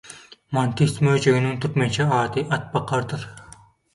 Mantis möjeginiň türkmençe ady atbakardyr